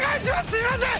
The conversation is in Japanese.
すいません。